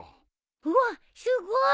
うわっすごい！